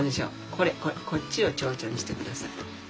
これこっちをちょうちょにしてください。